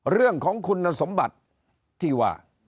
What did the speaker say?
เรื่องของคุณสมบัติที่ว่า